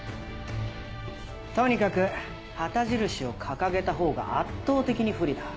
とにかく旗印を掲げたほうが圧倒的に不利だ。